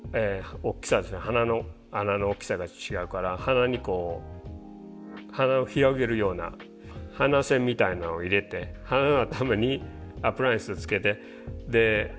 鼻の穴の大きさが違うから鼻にこう鼻を広げるような鼻栓みたいなのを入れて鼻の頭にアプライアンスをつけてで顎とほっぺたの側面ですね